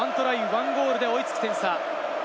１ゴールで追い付く点差。